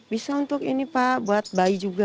bisa untuk ini pak buat bayi juga